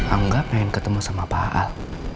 angga pengen ketemu sama pak al